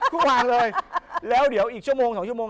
เมื่อวานเลยแล้วเดี๋ยวอีกชั่วโมง๒ชั่วโมง